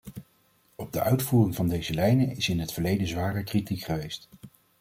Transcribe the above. Op de uitvoering van deze lijnen is in het verleden zware kritiek geweest.